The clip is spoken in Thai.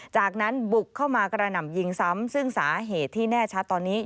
จากนั้นบุกเข้ามากระหน่ำยิงซ้ำซึ่งสาเหตุที่แน่ชัดตอนนี้